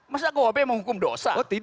masa kuhp menghukum dosa